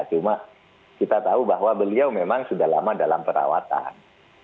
cuma kita tahu bahwa beliau memang sudah lama dalam perawatan